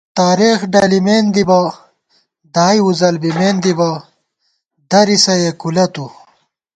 تارېخ ڈلِمېن دِبہ ، دائی وُزل بِمېن دِبہ ، درِسہ یېکُولہ تُو